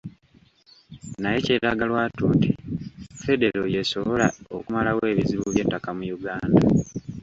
Naye kyeraga lwatu nti federo y'esobola okumalawo ebizibu by'ettaka mu Uganda.